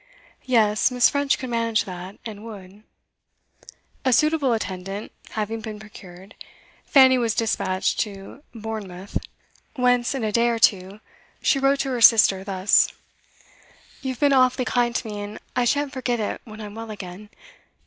Yes, Miss. French could manage that, and would. A suitable attendant having been procured, Fanny was despatched to Bournemouth, whence, in a day or two, she wrote to her sister thus: 'You've been awfully kind to me, and I shan't forget it when I'm well again.